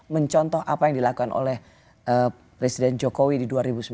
mencontoh apa yang dilakukan oleh presiden jokowi di dua ribu sembilan belas